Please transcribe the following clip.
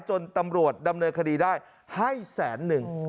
จนตำรวจดำเนินคดีได้ให้แสนหนึ่ง